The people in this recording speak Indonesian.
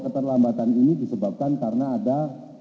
keterlambatan ini disebabkan karena ada